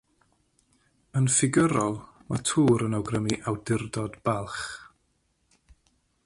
Yn ffigurol, mae “tŵr” yn awgrymu awdurdod balch.